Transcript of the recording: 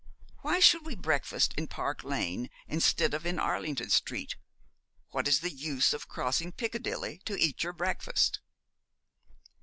Why should we breakfast in Park Lane instead of in Arlington Street? What is the use of crossing Piccadilly to eat our breakfast?'